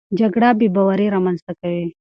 جګړه بېباوري رامنځته کوي.